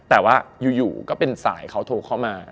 แต่ว่าอยู่ก็เป็นสายเขาโทรเข้ามา